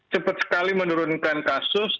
cepat sekali menurunkan kasus